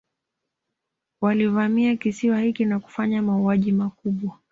Walivamia kisiwa hiki na kufanya mauaji makubwa